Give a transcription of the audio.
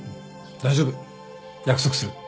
大丈夫。約束する